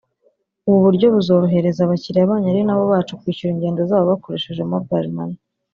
ubu buryo buzorohereza abakiriya banyu ari na bo bacu kwishyura ingendo zabo bakoresheje ‘Mobile Money